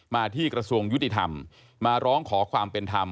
มาที่กระทรวงยุติธรรมมาร้องขอความเป็นธรรม